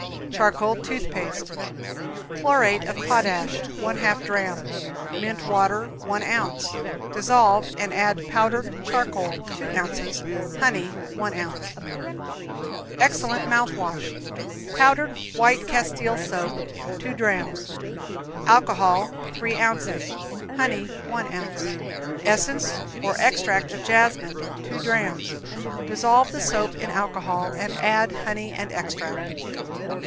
Charcoal Tooth Paste. Chlorate of potash, 1/2 dram; mint water, 1 ounce. Dissolve and add powdered charcoal, 2 ounces; honey, 1 ounce. Excellent Mouth Wash. Powdered white Castile soap, 2 drams; alcohol, 3 ounces; honey, 1 ounce; essence or extract jasmine, 2 drams. Dissolve the soap in alcohol and add honey and extract.